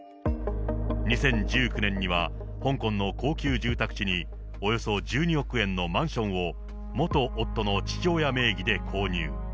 ２０１９年には、香港の高級住宅地におよそ１２億円のマンションを、元夫の父親名義で購入。